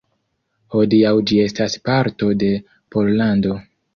Hodiaŭ ĝi estas parto de Pollando.